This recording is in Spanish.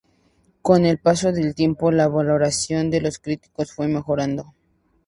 Con el paso del tiempo, la valoración de los críticos fue mejorando.